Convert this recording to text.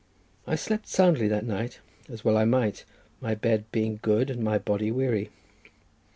I slept soundly that night, as well I might, my bed being good and my body weary.